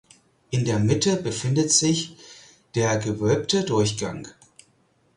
In der Mitte befindet sich der gewölbte Durchgang.